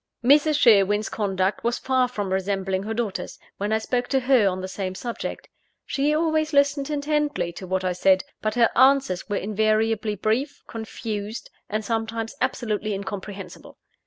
Mrs. Sherwin's conduct was far from resembling her daughter's, when I spoke to her on the same subject. She always listened intently to what I said; but her answers were invariably brief, confused, and sometimes absolutely incomprehensible.